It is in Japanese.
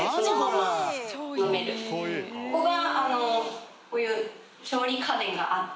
ここがこういう。